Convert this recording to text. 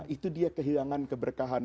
itu dia kehilangan keberkahan